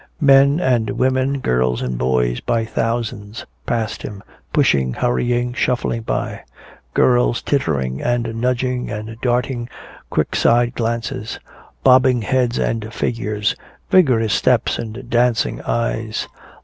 Men and women, girls and boys by thousands passed him, pushing, hurrying, shuffling by. Girls tittering and nudging and darting quick side glances. Bobbing heads and figures, vigorous steps and dancing eyes.